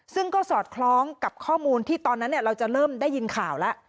ซึ่งก็สอดคล้องกับข้อมูลที่ตอนนั้นเราจะเริ่มได้ยินข่าวแล้ว